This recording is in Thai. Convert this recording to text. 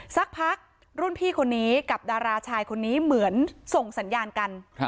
สักพักรุ่นพี่คนนี้กับดาราชายคนนี้เหมือนส่งสัญญาณกัน